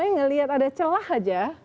ngelihat ada celah saja